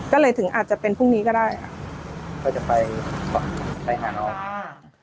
ก็เลยถึงอาจจะเป็นพรุ่งนี้ก็ได้ค่ะก็จะไปไปหาน้องอ่า